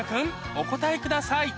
お答えください